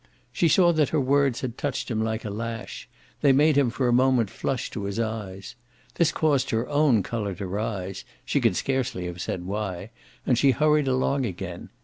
She saw that her words had touched him like a lash; they made him for a moment flush to his eyes. This caused her own colour to rise she could scarcely have said why and she hurried along again.